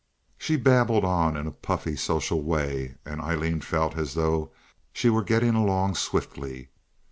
She babbled on in a puffy social way, and Aileen felt as though she were getting along swiftly.